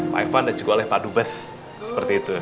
pak evan dan juga oleh pak dumbes seperti itu